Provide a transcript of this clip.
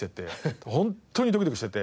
ホントにドキドキしてて。